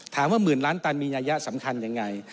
ถามว่าหมื่นล้านตันมียายะสำคัญยังไง